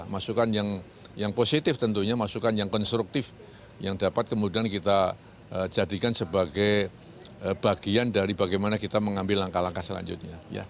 masukan yang positif tentunya masukan yang konstruktif yang dapat kemudian kita jadikan sebagai bagian dari bagaimana kita mengambil langkah langkah selanjutnya